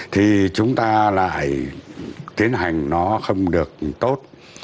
thì chúng ta lại tiến hành nó không được tốt